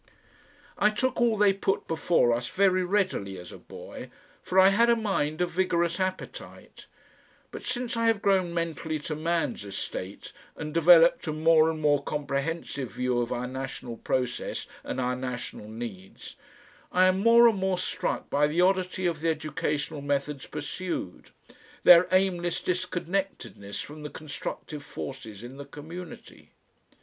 I took all they put before us very readily as a boy, for I had a mind of vigorous appetite, but since I have grown mentally to man's estate and developed a more and more comprehensive view of our national process and our national needs, I am more and more struck by the oddity of the educational methods pursued, their aimless disconnectedness from the constructive forces in the community.